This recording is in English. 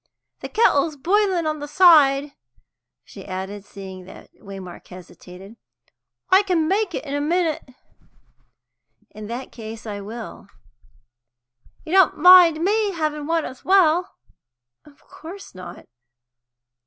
"The kettle's boiling on the side," she added, seeing that Waymark hesitated. "I can make it in a minute." "In that case, I will." "You don't mind me having one as well?" "Of course not."